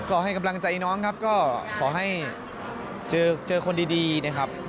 ก็ให้กำลังใจน้องครับก็ขอให้เจอคนดีนะครับ